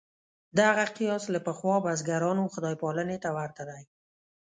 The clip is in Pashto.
دغه قیاس له پخوا بزګرانو خدای پالنې ته ورته دی.